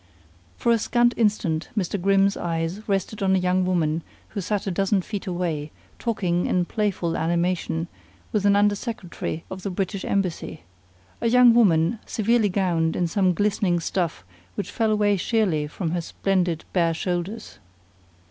For a scant instant Mr. Grimm's eyes rested on a young woman who sat a dozen feet away, talking, in playful animation, with an undersecretary of the British embassy a young woman severely gowned in some glistening stuff which fell away sheerly from her splendid bare shoulders.